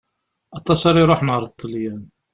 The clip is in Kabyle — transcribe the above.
Aṭas ara iṛuḥen ar Ṭelyan.